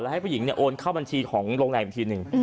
ให้ผู้หญิงโอนเข้าบัญชีของโรงแรมอีกทีหนึ่ง